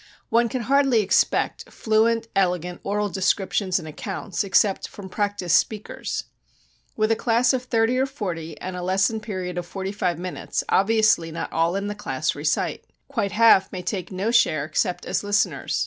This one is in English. One can hardly expect fluent, elegant oral descriptions and accounts except from practiced speakers. With a class of thirty or forty and a lesson period of forty five minutes obviously not all in the class recite; quite half may take no share except as listeners.